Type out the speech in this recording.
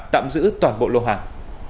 tạm giữ toàn bộ lô hoàng